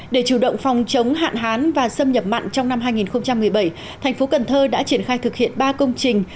để chủ động phòng chống hạn hán và xâm nhập mặn trong năm hai nghìn một mươi bảy thành phố cần thơ đã triển khai thực hiện ba công trình